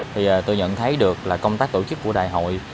thì tôi nhận thấy được là công tác tổ chức của đại hội